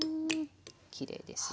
きれいですよ。